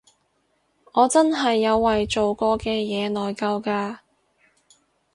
我真係有為做過嘅嘢內疚㗎